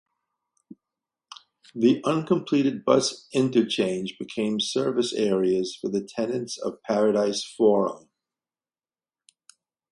The uncompleted bus interchange became service areas for the tenants of Paradise Forum.